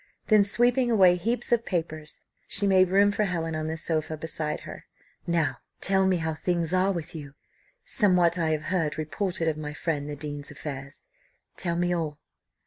Then sweeping away heaps of papers, she made room for Helen on the sofa beside her. "Now tell me how things are with you somewhat I have heard reported of my friend the dean's affairs tell me all."